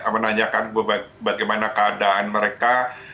menanyakan bagaimana keadaan mereka